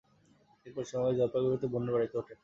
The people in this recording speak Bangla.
তিনি পশ্চিমবঙ্গের জলপাইগুড়িতে বোনের বাড়িতে ওঠেন।